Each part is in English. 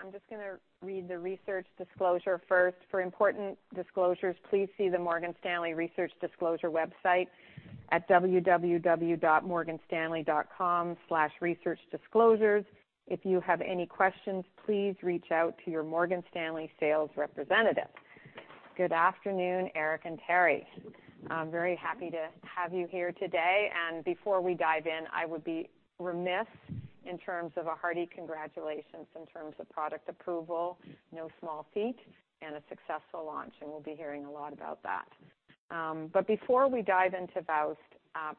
Good afternoon. I'm just gonna read the research disclosure first. For important disclosures, please see the Morgan Stanley Research Disclosure website at www.morganstanley.com/researchdisclosures. If you have any questions, please reach out to your Morgan Stanley sales representative. Good afternoon, Eric and Terri. I'm very happy to have you here today. And before we dive in, I would be remiss in terms of a hearty congratulations in terms of product approval, no small feat, and a successful launch, and we'll be hearing a lot about that. But before we dive into VOWST,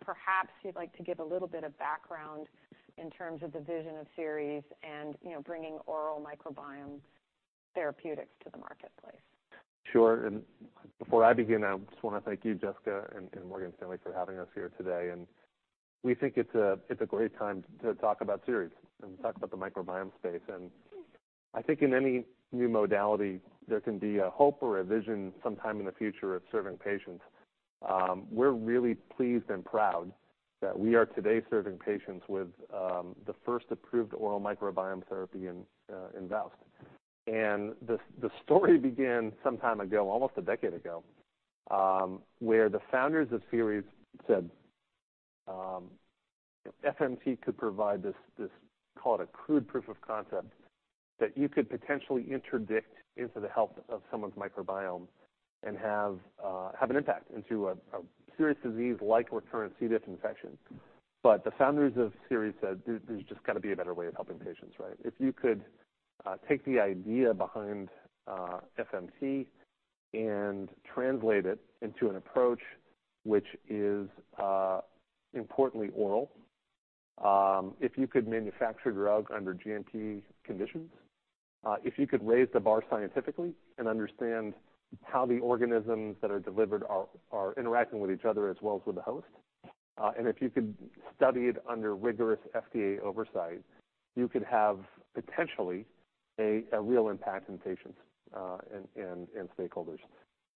perhaps you'd like to give a little bit of background in terms of the vision of Seres and, you know, bringing oral microbiome therapeutics to the marketplace. Sure. And before I begin, I just wanna thank you, Jessica, and Morgan Stanley for having us here today. And we think it's a great time to talk about Seres and talk about the microbiome space. And I think in any new modality, there can be a hope or a vision sometime in the future of serving patients. We're really pleased and proud that we are today serving patients with the first approved oral microbiome therapy in VOWST. And the story began some time ago, almost a decade ago, where the founders of Seres said, FMT could provide this, call it a crude proof of concept, that you could potentially interdict into the health of someone's microbiome and have an impact into a serious disease like recurrent C. diff infection. But the founders of Seres said, "There's just gotta be a better way of helping patients," right? If you could take the idea behind FMT and translate it into an approach which is importantly oral, if you could manufacture drug under GMP conditions, if you could raise the bar scientifically and understand how the organisms that are delivered are interacting with each other as well as with the host, and if you could study it under rigorous FDA oversight, you could have potentially a real impact in patients and stakeholders.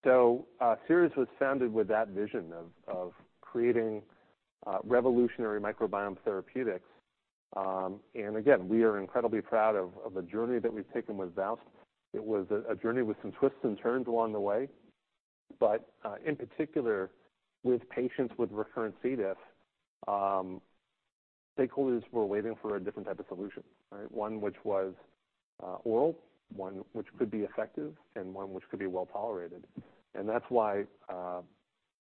So, Seres was founded with that vision of creating revolutionary microbiome therapeutics. And again, we are incredibly proud of the journey that we've taken with VOWST. It was a journey with some twists and turns along the way, but in particular, with patients with recurrent C. diff, stakeholders were waiting for a different type of solution, right? One which was oral, one which could be effective, and one which could be well-tolerated. And that's why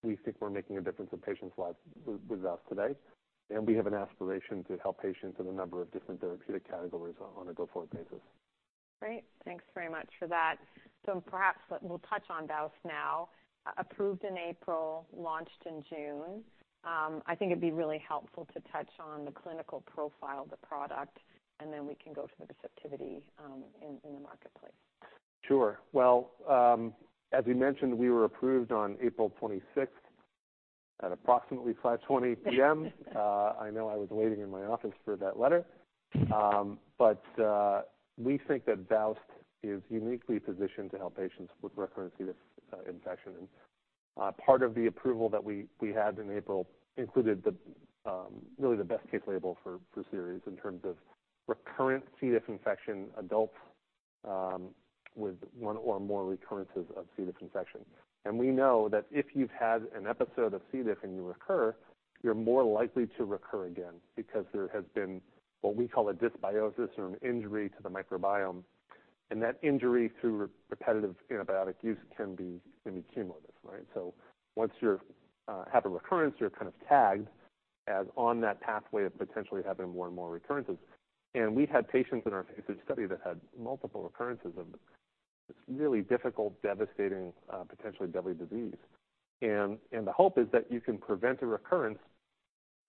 we think we're making a difference in patients' lives with VOWST today, and we have an aspiration to help patients in a number of different therapeutic categories on a go-forward basis. Great. Thanks very much for that. So perhaps we'll touch on VOWST now. Approved in April, launched in June. I think it'd be really helpful to touch on the clinical profile of the product, and then we can go to the receptivity in the marketplace. Sure. Well, as we mentioned, we were approved on April 26th at approximately 5:20 P.M. I know I was waiting in my office for that letter. But we think that VOWST is uniquely positioned to help patients with recurrent C. diff infection. And part of the approval that we had in April included really the best-case label for Seres in terms of recurrent C. diff infection, adults with one or more recurrences of C. diff infection. And we know that if you've had an episode of C. diff and you recur, you're more likely to recur again because there has been what we call a dysbiosis or an injury to the microbiome, and that injury, through repetitive antibiotic use, can be cumulative, right? So once you have a recurrence, you're kind of tagged as on that pathway of potentially having more and more recurrences. And we've had patients in our phase II study that had multiple recurrences of this really difficult, devastating, potentially deadly disease. And the hope is that you can prevent a recurrence,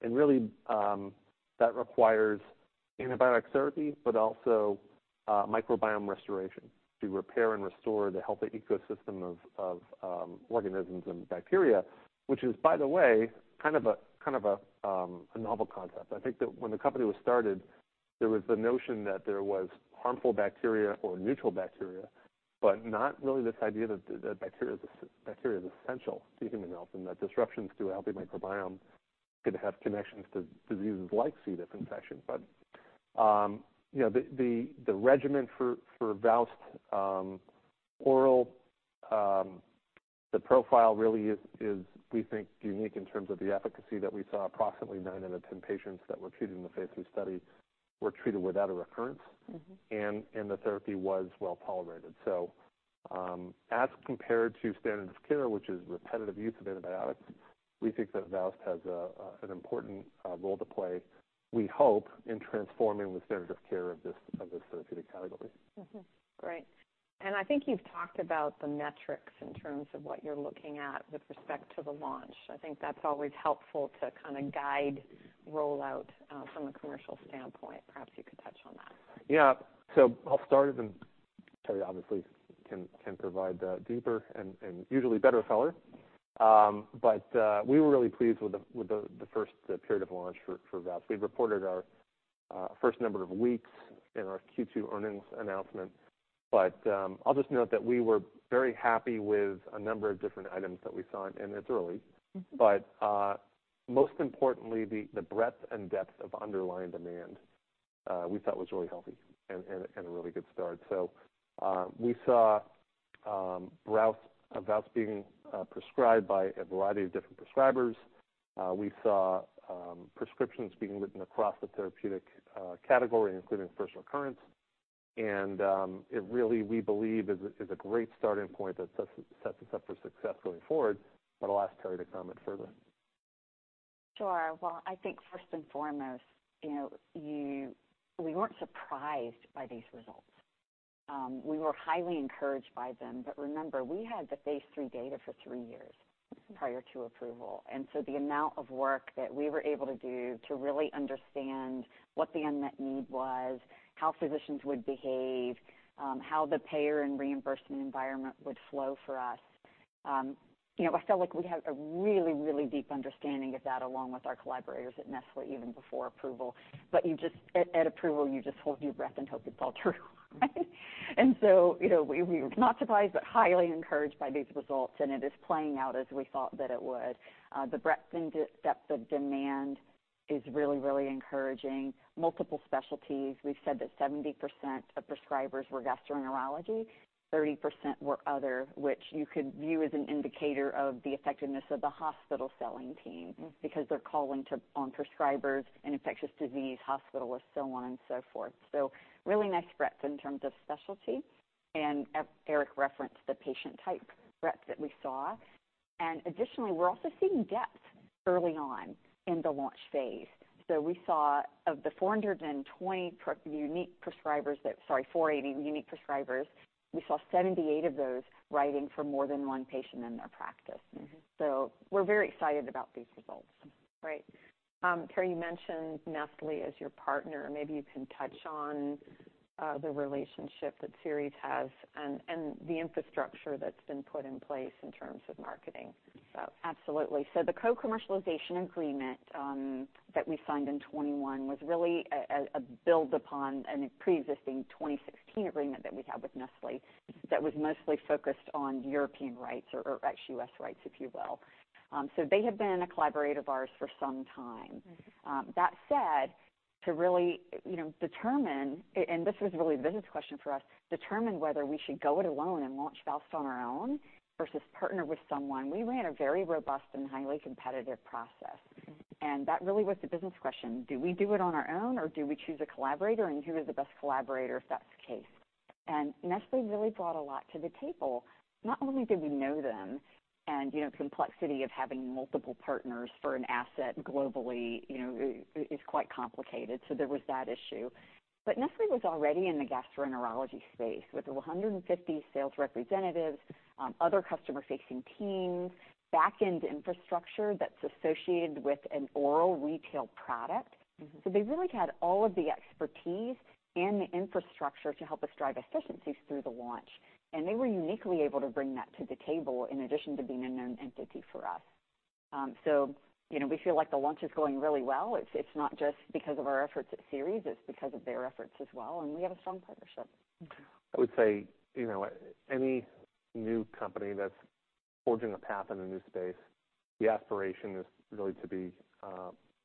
and really, that requires antibiotic therapy, but also, microbiome restoration to repair and restore the healthy ecosystem of organisms and bacteria, which is, by the way, kind of a novel concept. I think that when the company was started, there was the notion that there was harmful bacteria or neutral bacteria, but not really this idea that bacteria is essential to human health, and that disruptions to a healthy microbiome could have connections to diseases like C. diff infection. But, you know, the regimen for VOWST, oral, the profile really is, we think, unique in terms of the efficacy that we saw. Approximately nine out of 10 patients that were treated in the phase II study were treated without a recurrence. Mm-hmm. The therapy was well-tolerated. As compared to standard of care, which is repetitive use of antibiotics, we think that VOWST has an important role to play, we hope, in transforming the standard of care of this therapeutic category. Mm-hmm. Great. I think you've talked about the metrics in terms of what you're looking at with respect to the launch. I think that's always helpful to kinda guide rollout from a commercial standpoint. Perhaps you could touch on that. Yeah. So I'll start, and Terri obviously can provide the deeper and usually better color. But we were really pleased with the first period of launch for VOWST. We've reported our first number of weeks in our Q2 earnings announcement. But I'll just note that we were very happy with a number of different items that we saw, and it's early. Mm-hmm. But most importantly, the breadth and depth of underlying demand we thought was really healthy and a really good start. So we saw VOWST being prescribed by a variety of different prescribers. We saw prescriptions being written across the therapeutic category, including first recurrence. And it really, we believe is a great starting point that sets us up for success going forward. But I'll ask Terri to comment further. Sure. Well, I think first and foremost, you know, we weren't surprised by these results. We were highly encouraged by them, but remember, we had the phase III data for three years- Mm-hmm. Prior to approval. And so the amount of work that we were able to do to really understand what the unmet need was, how physicians would behave, how the payer and reimbursement environment would flow for us, you know, I felt like we had a really, really deep understanding of that, along with our collaborators at Nestlé, even before approval. But you just... At approval, you just hold your breath and hope it's all true, right? And so, you know, we, we were not surprised, but highly encouraged by these results, and it is playing out as we thought that it would. The breadth and depth of demand is really, really encouraging. Multiple specialties. We've said that 70% of prescribers were gastroenterology, 30% were other, which you could view as an indicator of the effectiveness of the hospital selling team- Mm-hmm. Because they're calling to, on prescribers and infectious disease, hospitalists, so on and so forth. So really nice breadth in terms of specialty. And as Eric referenced, the patient type breadth that we saw. And additionally, we're also seeing depth early on in the launch phase. So we saw of the 420 unique prescribers that... Sorry, 480 unique prescribers, we saw 78 of those writing for more than one patient in their practice. Mm-hmm. We're very excited about these results. Great. Terri, you mentioned Nestlé as your partner. Maybe you can touch on the relationship that Seres has and the infrastructure that's been put in place in terms of marketing, so. Absolutely. So the co-commercialization agreement that we signed in 2021 was really a build upon a preexisting 2016 agreement that we had with Nestlé, that was mostly focused on European rights or ex-US rights, if you will. So they had been a collaborator of ours for some time. Mm-hmm. That said, to really, you know, determine, and this was really a business question for us, determine whether we should go it alone and launch VOWST on our own versus partner with someone. We ran a very robust and highly competitive process. Mm-hmm. That really was the business question: Do we do it on our own, or do we choose a collaborator? And who is the best collaborator, if that's the case? And Nestlé really brought a lot to the table. Not only did we know them, and, you know, complexity of having multiple partners for an asset globally, you know, is quite complicated. So there was that issue. But Nestlé was already in the gastroenterology space with 150 sales representatives, other customer-facing teams, back-end infrastructure that's associated with an oral retail product. Mm-hmm. So they really had all of the expertise and the infrastructure to help us drive efficiencies through the launch, and they were uniquely able to bring that to the table, in addition to being a known entity for us. You know, we feel like the launch is going really well. It's, it's not just because of our efforts at Seres, it's because of their efforts as well, and we have a strong partnership. I would say, you know, any new company that's forging a path in a new space, the aspiration is really to be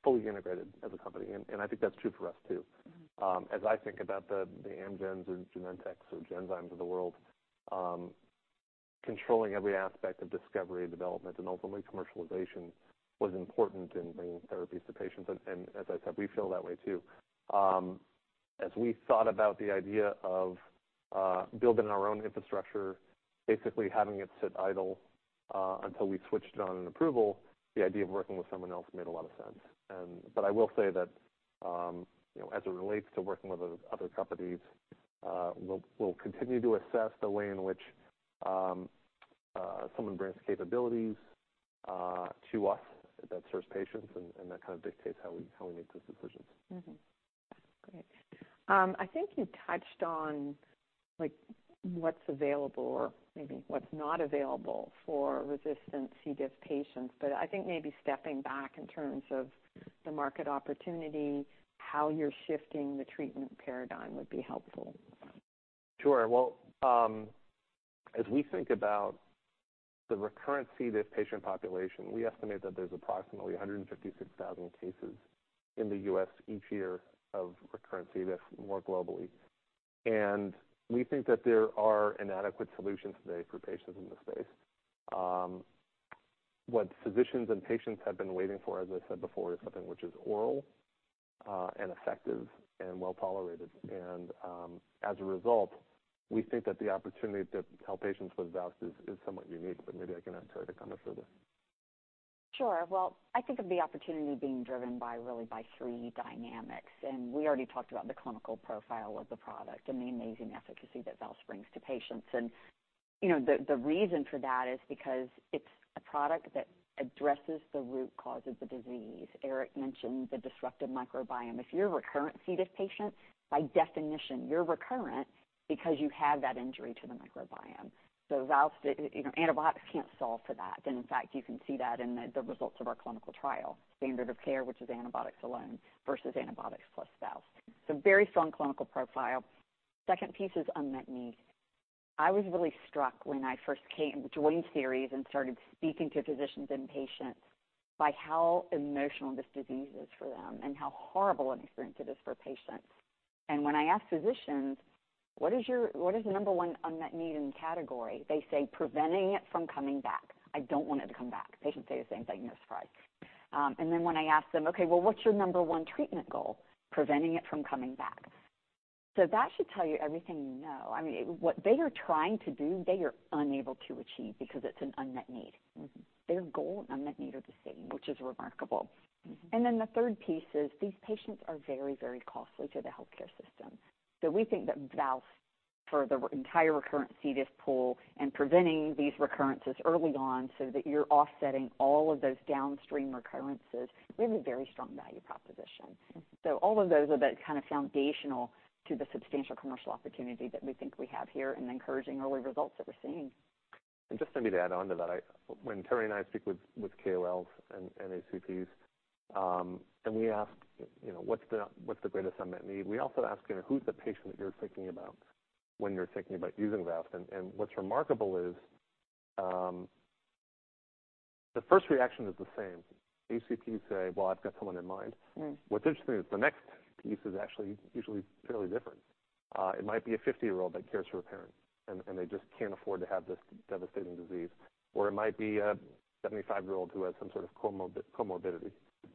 fully integrated as a company, and I think that's true for us, too. Mm-hmm. As I think about the Amgens or Genentechs or Genzymes of the world, controlling every aspect of discovery and development and ultimately commercialization was important in bringing therapies to patients. As I said, we feel that way, too. As we thought about the idea of building our own infrastructure, basically having it sit idle until we switched on an approval, the idea of working with someone else made a lot of sense. But I will say that, you know, as it relates to working with other companies, we'll continue to assess the way in which someone brings capabilities to us that serves patients, and that kind of dictates how we make those decisions. Mm-hmm. Great. I think you touched on, like, what's available or maybe what's not available for resistant C. diff patients, but I think maybe stepping back in terms of the market opportunity, how you're shifting the treatment paradigm would be helpful. Sure. Well, as we think about the recurrent C. diff patient population, we estimate that there's approximately 156,000 cases in the US each year of recurrent C. diff, more globally. We think that there are inadequate solutions today for patients in this space. What physicians and patients have been waiting for, as I said before, is something which is oral, and effective and well-tolerated. As a result, we think that the opportunity to help patients with VOWST is somewhat unique, but maybe I can ask Terri to comment further. Sure. Well, I think of the opportunity being driven by, really by three dynamics, and we already talked about the clinical profile of the product and the amazing efficacy that VOWST brings to patients. And, you know, the reason for that is because it's a product that addresses the root cause of the disease. Eric mentioned the disruptive microbiome. If you're a recurrent C. diff patient, by definition, you're recurrent because you have that injury to the microbiome. So VOWST, you know, antibiotics can't solve for that. And in fact, you can see that in the results of our clinical trial, standard of care, which is antibiotics alone versus antibiotics plus VOWST. So very strong clinical profile. Second piece is unmet need.... I was really struck when I first came to join Seres and started speaking to physicians and patients, by how emotional this disease is for them and how horrible an experience it is for patients. And when I ask physicians: What is your, what is the number one unmet need in category? They say, "Preventing it from coming back. I don't want it to come back." Patients say the same thing, no surprise. And then when I ask them: Okay, well, what's your number one treatment goal? "Preventing it from coming back." So that should tell you everything you know. I mean, what they are trying to do, they are unable to achieve because it's an unmet need. Their goal and unmet need are the same, which is remarkable. And then the third piece is these patients are very, very costly to the healthcare system. So we think that VOWST, for the entire recurrent C. diff pool and preventing these recurrences early on, so that you're offsetting all of those downstream recurrences, we have a very strong value proposition. So all of those are the kind of foundational to the substantial commercial opportunity that we think we have here and the encouraging early results that we're seeing. And just let me add on to that. When Terri and I speak with KOLs and ACPs, and we ask, you know, what's the greatest unmet need? We also ask, you know, who's the patient that you're thinking about when you're thinking about using VOWST? And what's remarkable is, the first reaction is the same. ACPs say: Well, I've got someone in mind. Mm. What's interesting is the next piece is actually usually fairly different. It might be a 50-year-old that cares for a parent, and they just can't afford to have this devastating disease. Or it might be a 75-year-old who has some sort of comorbidity,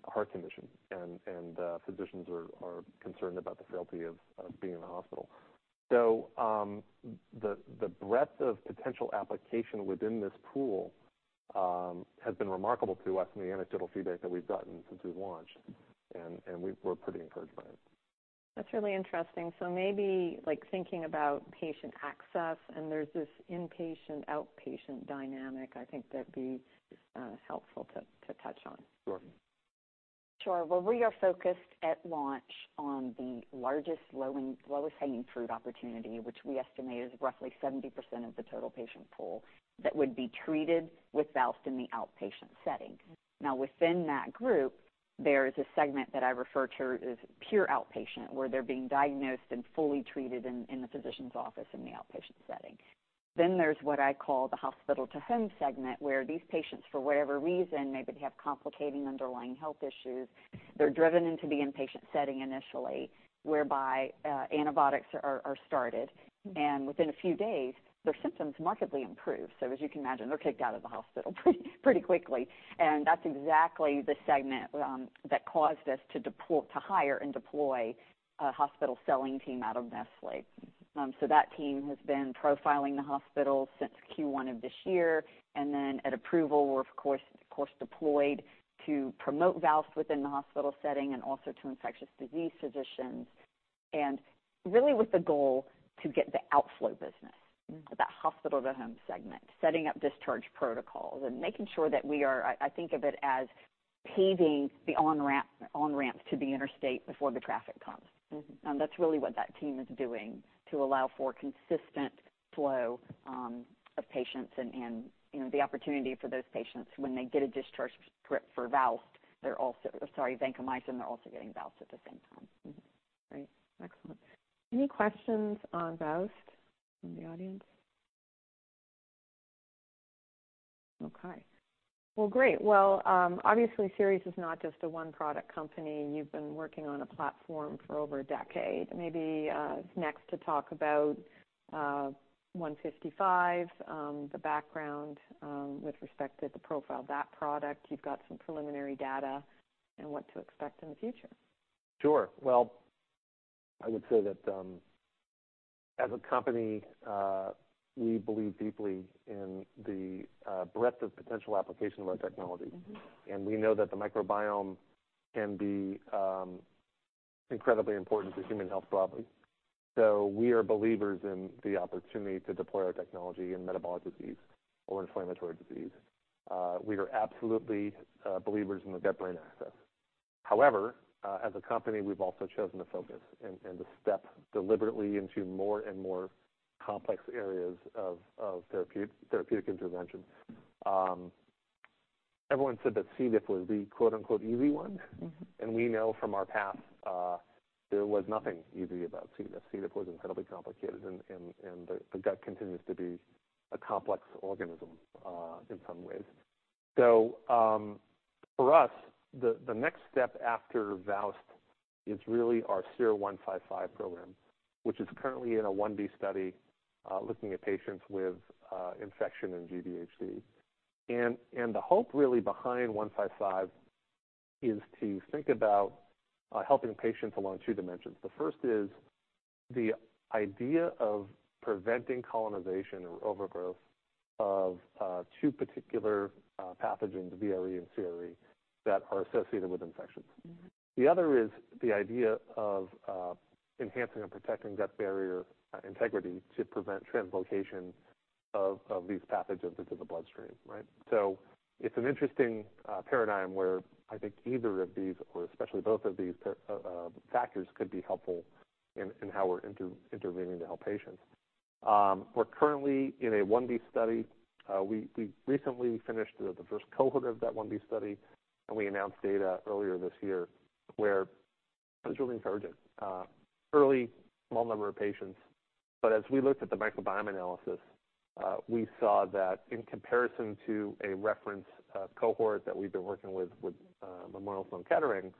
a heart condition, and physicians are concerned about the frailty of being in the hospital. So, the breadth of potential application within this pool has been remarkable to us in the anecdotal feedback that we've gotten since we've launched, and we're pretty encouraged by it. That's really interesting. So maybe, like, thinking about patient access, and there's this inpatient, outpatient dynamic, I think that'd be helpful to touch on. Sure. Sure. Well, we are focused at launch on the largest, lowest hanging fruit opportunity, which we estimate is roughly 70% of the total patient pool that would be treated with VOWST in the outpatient setting. Now, within that group, there is a segment that I refer to as pure outpatient, where they're being diagnosed and fully treated in the physician's office in the outpatient setting. Then there's what I call the hospital-to-home segment, where these patients, for whatever reason, maybe they have complicating underlying health issues, they're driven into the inpatient setting initially, whereby antibiotics are started, and within a few days, their symptoms markedly improve. So as you can imagine, they're kicked out of the hospital pretty quickly, and that's exactly the segment that caused us to hire and deploy a hospital selling team out of Nestlé. So that team has been profiling the hospital since Q1 of this year, and then at approval, we're of course, of course, deployed to promote VOWST within the hospital setting and also to infectious disease physicians. And really with the goal to get the outflow business, that hospital-to-home segment, setting up discharge protocols and making sure that we are, I think of it as paving the on-ramp, on-ramps to the interstate before the traffic comes. Mm-hmm. That's really what that team is doing to allow for consistent flow of patients and, you know, the opportunity for those patients when they get a discharge script for VOWST, they're also, sorry, vancomycin, they're also getting VOWST at the same time. Mm-hmm. Great. Excellent. Any questions on VOWST from the audience? Okay, well, great. Well, obviously, Seres is not just a one-product company. You've been working on a platform for over a decade. Maybe, next to talk about, 155, the background, with respect to the profile of that product. You've got some preliminary data and what to expect in the future. Sure. Well, I would say that, as a company, we believe deeply in the breadth of potential application of our technology. Mm-hmm. And we know that the microbiome can be incredibly important to human health broadly. So we are believers in the opportunity to deploy our technology in metabolic disease or inflammatory disease. We are absolutely believers in the gut-brain axis. However, as a company, we've also chosen to focus and to step deliberately into more and more complex areas of therapeutic intervention. Everyone said that C. diff was the quote, unquote, "easy one. Mm-hmm. We know from our past, there was nothing easy about C. diff. C. diff was incredibly complicated, and the gut continues to be a complex organism, in some ways. For us, the next step after VOWST is really our SER-155 program, which is currently in a 1b study looking at patients with infection and GvHD. And the hope really behind 155 is to think about helping patients along two dimensions. The first is the idea of preventing colonization or overgrowth of two particular pathogens, VRE and CRE, that are associated with infections. Mm-hmm. The other is the idea of enhancing and protecting gut barrier integrity to prevent translocation of these pathogens into the bloodstream, right? So it's an interesting paradigm where I think either of these, or especially both of these factors, could be helpful in how we're intervening to help patients. We're currently in a 1b study. We recently finished the first cohort of that 1b study, and we announced data earlier this year, where that was really encouraging. Early, small number of patients, but as we looked at the microbiome analysis, we saw that in comparison to a reference cohort that we've been working with, with Memorial Sloan Kettering,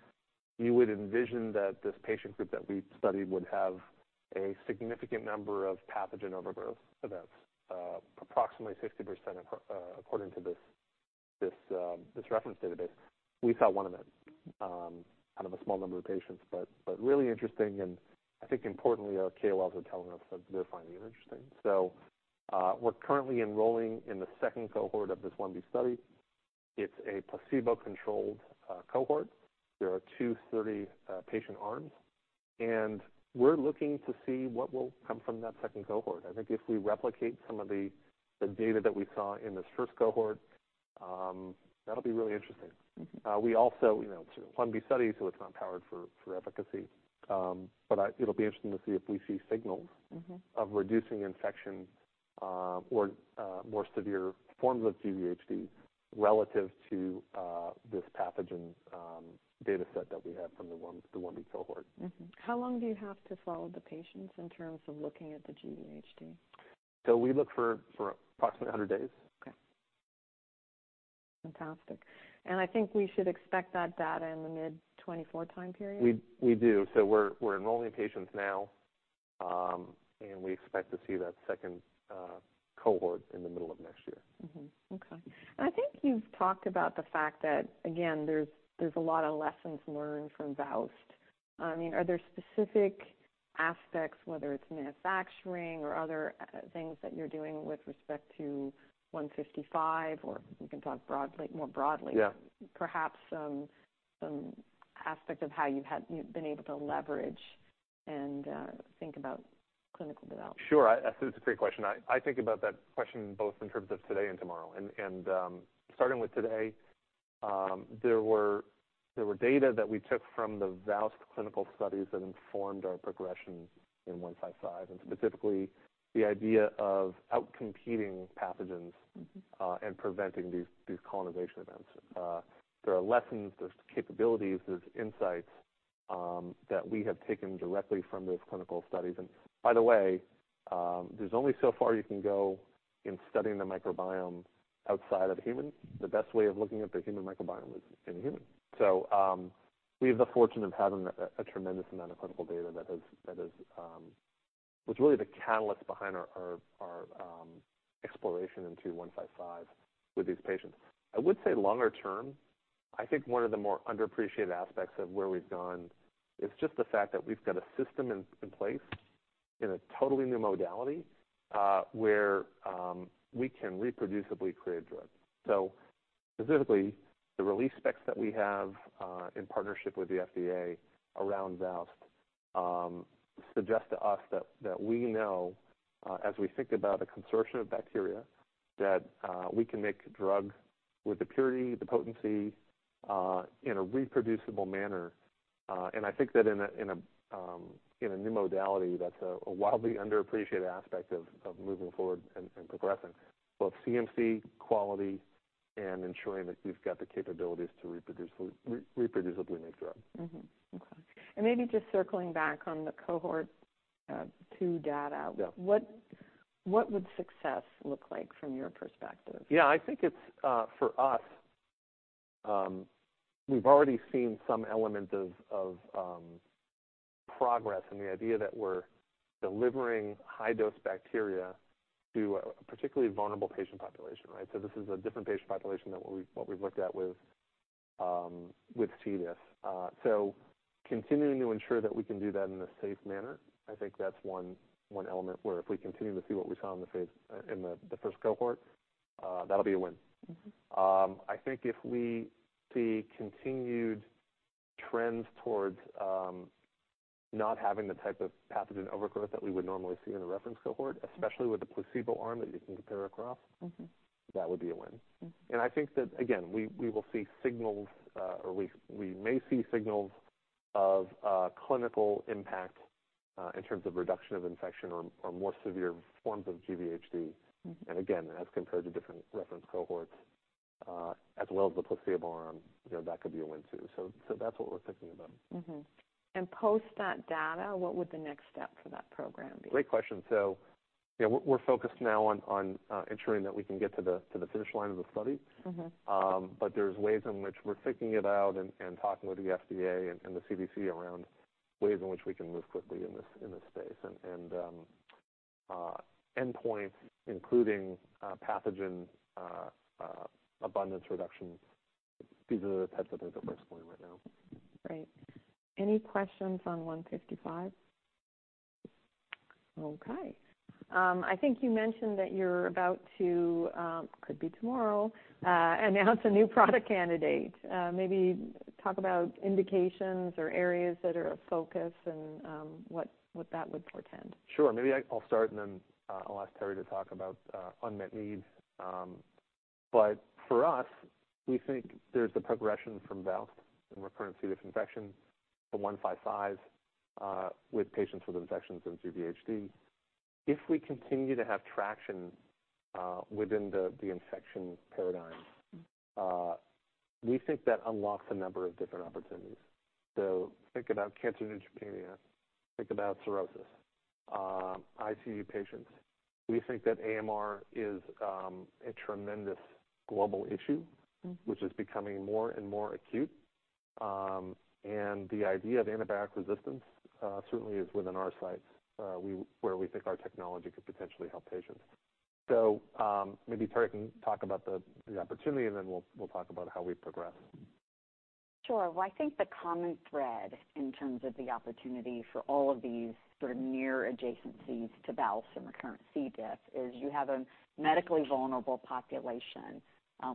you would envision that this patient group that we studied would have a significant number of pathogen overgrowth events. Approximately 60%, according to this reference database. We saw one event out of a small number of patients, but really interesting, and I think importantly, our KOLs are telling us that they're finding it interesting. So, we're currently enrolling in the second cohort of this 1b study. It's a placebo-controlled cohort. There are two 30-patient arms, and we're looking to see what will come from that second cohort. I think if we replicate some of the data that we saw in this first cohort, that'll be really interesting. We also, you know, it's a 1b study, so it's not powered for efficacy. But it'll be interesting to see if we see signals. Mm-hmm. -of reducing infection or more severe forms of GVHD relative to this pathogen data set that we have from the 1B cohort. Mm-hmm. How long do you have to follow the patients in terms of looking at the GvHD? We look for approximately 100 days. Okay. Fantastic. I think we should expect that data in the mid-2024 time period? We do. So we're enrolling patients now, and we expect to see that second cohort in the middle of next year. Mm-hmm. Okay. I think you've talked about the fact that, again, there's, there's a lot of lessons learned from VOWST. I mean, are there specific aspects, whether it's manufacturing or other things that you're doing with respect to 155, or you can talk broadly, more broadly? Yeah. Perhaps some aspect of how you've been able to leverage and think about clinical development. Sure. I think it's a great question. I think about that question both in terms of today and tomorrow. And, starting with today, there were data that we took from the VOWST clinical studies that informed our progression in 155, and specifically, the idea of outcompeting pathogens- Mm-hmm. and preventing these colonization events. There are lessons, there's capabilities, there's insights that we have taken directly from those clinical studies. And by the way, there's only so far you can go in studying the microbiome outside of humans. The best way of looking at the human microbiome is in humans. So, we have the fortune of having a tremendous amount of clinical data that has, that is... was really the catalyst behind our exploration into 155 with these patients. I would say longer term, I think one of the more underappreciated aspects of where we've gone is just the fact that we've got a system in place, in a totally new modality, where we can reproducibly create drugs. So specifically, the release specs that we have in partnership with the FDA around VOWST suggest to us that we know as we think about a consortium of bacteria that we can make drug with the purity, the potency, in a reproducible manner. And I think that in a new modality, that's a wildly underappreciated aspect of moving forward and progressing both CMC quality and ensuring that we've got the capabilities to reproducibly make drugs. Mm-hmm. Okay. And maybe just circling back on the cohort, two data. Yeah. What, what would success look like from your perspective? Yeah, I think it's for us, we've already seen some element of progress and the idea that we're delivering high-dose bacteria to a particularly vulnerable patient population, right? So this is a different patient population than what we've looked at with C. diff. So continuing to ensure that we can do that in a safe manner, I think that's one element where if we continue to see what we saw in the phase in the first cohort, that'll be a win. Mm-hmm. I think if we see continued trends towards not having the type of pathogen overgrowth that we would normally see in a reference cohort, especially with the placebo arm that you can compare across- Mm-hmm. that would be a win. Mm. I think that, again, we will see signals, or we may see signals of clinical impact in terms of reduction of infection or more severe forms of GvHD. Mm. And again, as compared to different reference cohorts, as well as the placebo arm, you know, that could be a win, too. So that's what we're thinking about. Mm-hmm. And post that data, what would the next step for that program be? Great question. So, yeah, we're focused now on ensuring that we can get to the finish line of the study. Mm-hmm. But there's ways in which we're thinking it out and talking with the FDA and the CDC around ways in which we can move quickly in this, in this space. Endpoints, including pathogen abundance reductions, these are the types that are the first point right now. Great. Any questions on 155? Okay. I think you mentioned that you're about to, could be tomorrow, announce a new product candidate. Maybe talk about indications or areas that are of focus and, what that would portend. Sure. Maybe I'll start and then I'll ask Terri to talk about unmet needs. But for us, we think there's a progression from VOWST and recurrent C. diff infection to 155, with patients with infections and GVHD. If we continue to have traction within the infection paradigm, we think that unlocks a number of different opportunities. So think about cancer neutropenia, think about cirrhosis, ICU patients. We think that AMR is a tremendous global issue- Mm-hmm. -which is becoming more and more acute. And the idea of antibiotic resistance certainly is within our sights, where we think our technology could potentially help patients. So, maybe Terri can talk about the opportunity, and then we'll talk about how we progress. Sure. Well, I think the common thread in terms of the opportunity for all of these sort of near adjacencies to VOWST and recurrent C. diff, is you have a medically vulnerable population.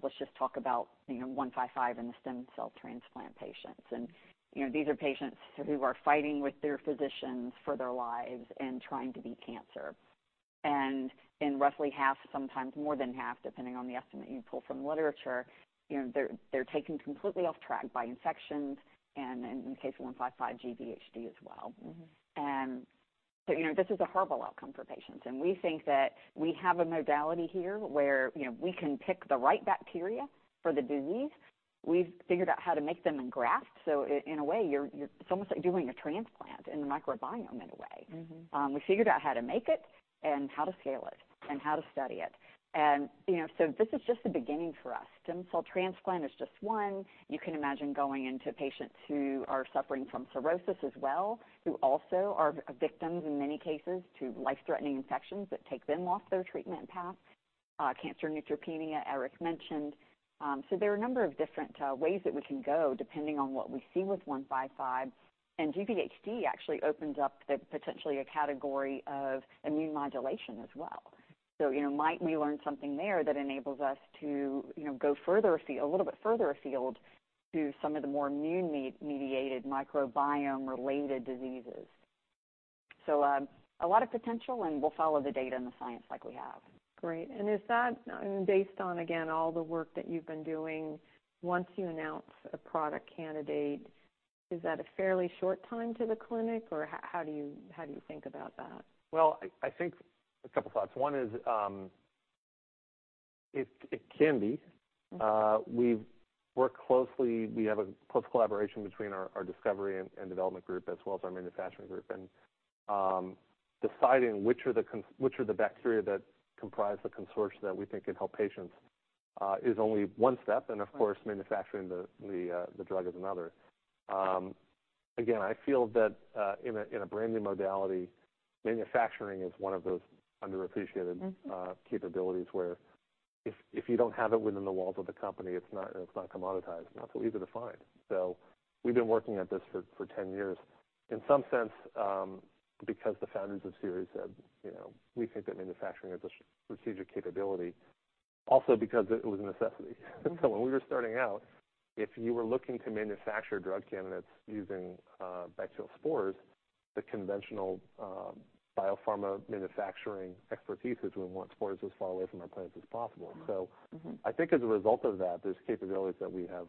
Let's just talk about, you know, SER-155 and the stem cell transplant patients. And, you know, these are patients who are fighting with their physicians for their lives and trying to beat cancer. And in roughly half, sometimes more than half, depending on the estimate you pull from the literature, you know, they're taken completely off track by infections and in the case of SER-155, GVHD as well. Mm-hmm. So, you know, this is a horrible outcome for patients, and we think that we have a modality here where, you know, we can pick the right bacteria for the disease. We've figured out how to make them in grafts. So in a way, you're, you're... It's almost like doing a transplant in the microbiome in a way. Mm-hmm. We figured out how to make it, and how to scale it, and how to study it. And, you know, so this is just the beginning for us. Stem cell transplant is just one. You can imagine going into patients who are suffering from cirrhosis as well, who also are victims, in many cases, to life-threatening infections that take them off their treatment path. Cancer neutropenia, Eric mentioned. So there are a number of different ways that we can go, depending on what we see with 155. And GvHD actually opens up the, potentially a category of immune modulation as well. So, you know, might we learn something there that enables us to, you know, go further afield, a little bit further afield, to some of the more immune-mediated microbiome-related diseases? So, a lot of potential, and we'll follow the data and the science like we have. Great. And is that, based on, again, all the work that you've been doing, once you announce a product candidate, is that a fairly short time to the clinic, or how do you, how do you think about that? Well, I think a couple thoughts. One is, it can be. Mm-hmm. We've worked closely... We have a close collaboration between our discovery and development group, as well as our manufacturing group. Deciding which are the bacteria that comprise the consortia that we think can help patients is only one step, and of course, manufacturing the drug is another. Again, I feel that in a brand-new modality, manufacturing is one of those underappreciated- Mm-hmm... capabilities, where if you don't have it within the walls of the company, it's not commoditized, and not so easy to find. So we've been working at this for 10 years. In some sense, because the founders of Seres said, you know, we think that manufacturing is a strategic capability, also because it was a necessity. So when we were starting out, if you were looking to manufacture drug candidates using bacterial spores, the conventional biopharma manufacturing expertise is we want spores as far away from our plants as possible. Mm-hmm. So I think as a result of that, there's capabilities that we have,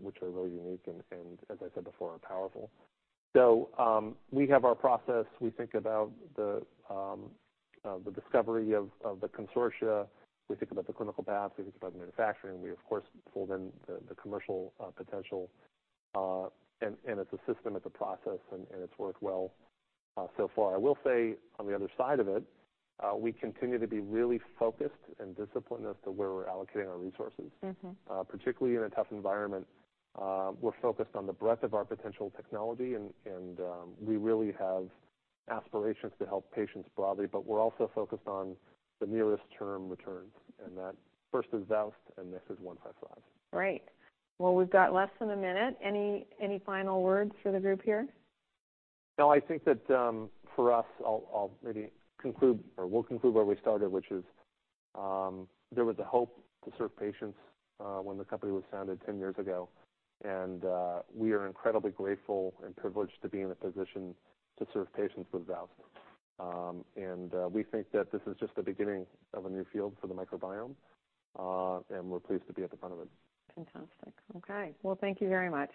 which are really unique and as I said before, are powerful. So we have our process. We think about the discovery of the consortia. We think about the clinical path. We think about the manufacturing. We, of course, pull in the commercial potential. And it's a system, it's a process, and it's worked well so far. I will say, on the other side of it, we continue to be really focused and disciplined as to where we're allocating our resources. Mm-hmm. Particularly in a tough environment, we're focused on the breadth of our potential technology, and we really have aspirations to help patients broadly, but we're also focused on the nearest term returns, and that first is VOWST, and next is 155. Great. Well, we've got less than a minute. Any final words for the group here? No, I think that, for us, I'll maybe conclude, or we'll conclude where we started, which is, there was a hope to serve patients when the company was founded 10 years ago, and we are incredibly grateful and privileged to be in a position to serve patients with VOWST. And we think that this is just the beginning of a new field for the microbiome, and we're pleased to be at the front of it. Fantastic. Okay, well, thank you very much.